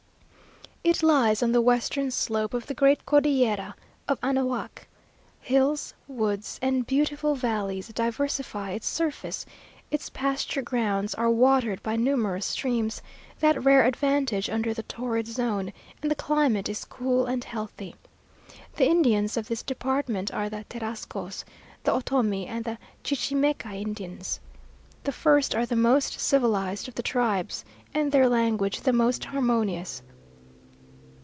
It lies on the western slope of the Great Cordillera of Anahuac. Hills, woods, and beautiful valleys diversify its surface; its pasture grounds are watered by numerous streams, that rare advantage under the torrid zone, and the climate is cool and healthy. The Indians of this department are the Terascos the Ottomi and the Chichimeca Indians. The first are the most civilized of the tribes, and their language the most harmonious.